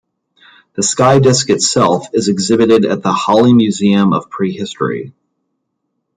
The sky disc itself is exhibited at the Halle State Museum of Prehistory.